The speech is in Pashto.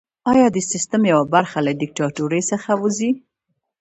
ایا د سیستم یوه برخه له دیکتاتورۍ څخه وځي؟